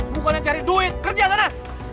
bukannya cari duit kerja sana